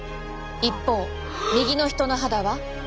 一方右の人の肌は。